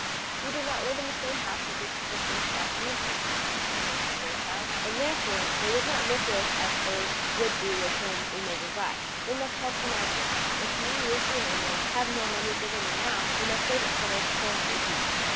"We do not live in the same house with these persons last mentioned," answered Mrs. Fairchild, "and therefore they would not miss us as those would do with whom we may reside; we must help them at a distance. If you, Lucy and Emily, have more money given you now, you must save it for these poor dear people.